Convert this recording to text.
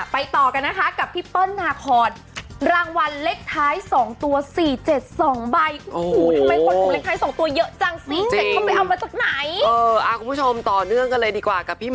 ต่อกันนะคะกับพี่เปิ้ลนาคอนรางวัลเลขท้าย๒ตัว๔๗๒ใบ